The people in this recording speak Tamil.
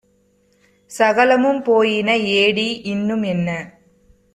சகலமும் போயினஏடி இன்னும்என்ன!